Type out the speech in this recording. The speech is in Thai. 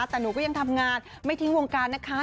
แต่หนูก็ยังทำงานไม่ทิ้งวงการนะคะ